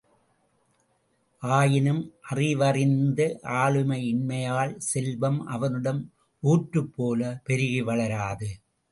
ஆயினும் அறிவறிந்த ஆளுமை இன்மையால் செல்வம் அவனிடம் ஊற்றுப் போலப் பெருகி வளராது.